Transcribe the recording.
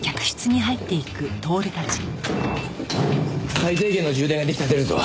最低限の充電が出来たら出るぞ。